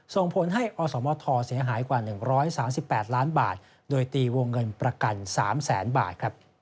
ส่งผลให้อสมทเสียหายกว่า๑๓๘ล้านบาทโดยตีวงเงินประกัน๓แสนบาท